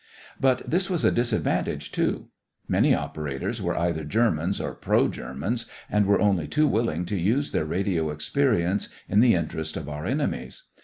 But this was a disadvantage, too. Many operators were either Germans or pro Germans and were only too willing to use their radio experience in the interest of our enemies.